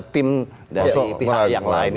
tim dari pihak yang lain